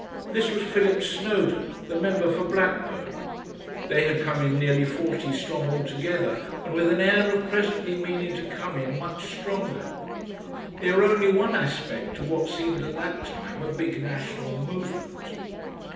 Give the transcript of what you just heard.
This was Philip Snowden, the member for Blackburn. They had come in nearly forty strong altogether, and with an air of presently meaning to come in much stronger. They were only one aspect of what seemed at that time a big national movement.